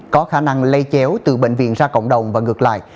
có khả năng lây chéo từ bệnh viện ra cộng đồng và ngược lại